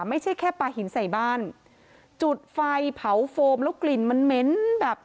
ไม่ใช่แค่ปลาหินใส่บ้านจุดไฟเผาโฟมแล้วกลิ่นมันเหม็นแบบ